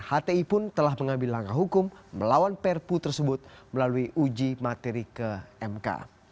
hti pun telah mengambil langkah hukum melawan perpu tersebut melalui uji materi ke mk